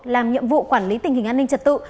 làm nhiệm vụ quản lý tình hình an ninh trật tự